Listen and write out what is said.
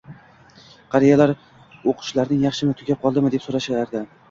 qariyalar “O’qishlaring yaxshimi? Tugab qoldimi?”, deb so’rashardi.